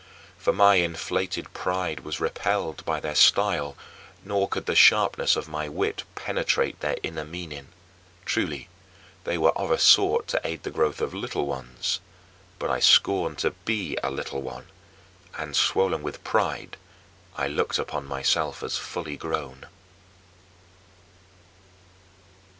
For my inflated pride was repelled by their style, nor could the sharpness of my wit penetrate their inner meaning. Truly they were of a sort to aid the growth of little ones, but I scorned to be a little one and, swollen with pride, I looked upon myself as fully grown.